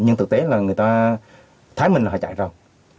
nhưng thực tế là người ta thấy mình là họ chạy rồi